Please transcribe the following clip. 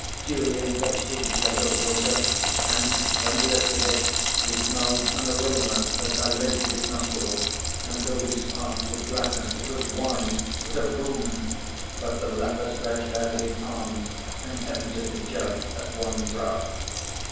Julian fetched his jug of water and when he lifted it, he smelled an aroma that dilated his nostrils and filled his heart with gladness. It was wine; what a boon! but the leper stretched out his arm and emptied the jug at one draught.